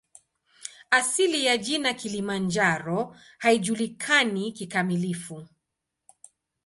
Asili ya jina "Kilimanjaro" haijulikani kikamilifu.